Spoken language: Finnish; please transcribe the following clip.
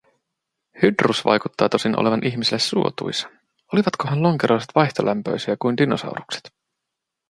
Hydrus vaikuttaa tosin olevan ihmiselle suotuisa… Olivatkohan lonkeroiset vaihtolämpöisä kuin dinosaurukset?